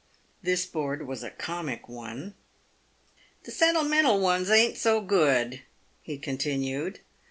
(This board was a comic one.) " The sentimental ones ain't no good," he continued.